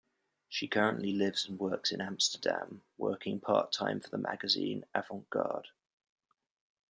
She currently lives and works in Amsterdam, working part-time for the magazine AvantGarde.